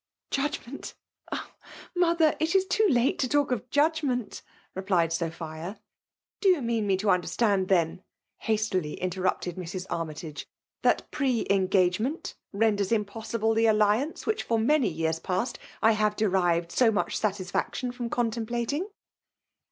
'^ Judgment — ah! mother; it is too !aleto> &lk of judgment !*' replied Sophia. "•Dp you mean me to understand, then;' hastily interrupted Mrs. Armytage, " that pre* engagiement renders impossible the allianee nfhich, tat many years past, I have derived so much satisfaction from contemplating